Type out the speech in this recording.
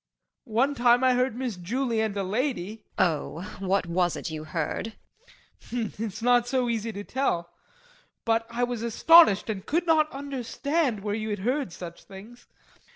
One time I heard Miss Julie and a lady JULIE. Oh, what was it you heard? JEAN. Hm! that's not so easy to tell. But I was astonished and could not understand where you had heard such things.